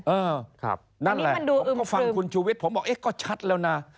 นั่นแหละก็ฟังคุณชูวิทย์ผมบอกเอ๊ะก็ชัดแล้วนะ